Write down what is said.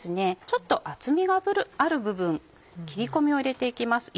ちょっと厚みがある部分切り込みを入れて行きます